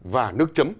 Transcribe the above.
và nước chấm